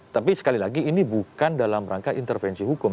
tapi sekali lagi ini bukan dalam rangka intervensi hukum